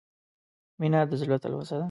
• مینه د زړه تلوسه ده.